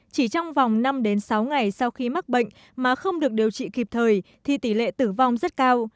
chỉ trong vòng năm đến sáu ngày sau khi mắc bệnh mà không được điều trị kịp thời thì tỷ lệ tử vong rất cao